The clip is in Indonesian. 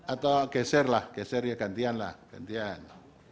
atau geser lah geser ya gantian lah gantian